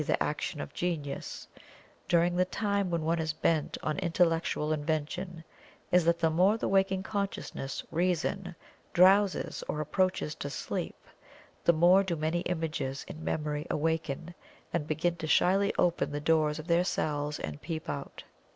_, the action of genius) during the time when one is bent on intellectual invention is that the more the waking conscious Reason drowses or approaches to sleep, the more do many images in Memory awaken and begin to shyly open the doors of their cells and peep out.